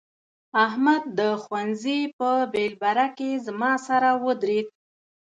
احمد د ښوونځي په بېلبره کې زما سره ودرېد.